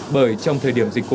bởi trong thời điểm dự trữ